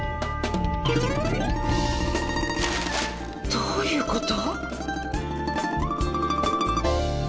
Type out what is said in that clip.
どういうこと？